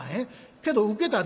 「けどウケたで」。